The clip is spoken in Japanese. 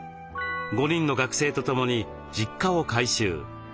５人の学生と共に実家を改修。